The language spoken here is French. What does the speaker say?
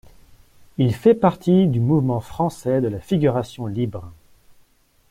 Il fait partie du mouvement français de la figuration libre.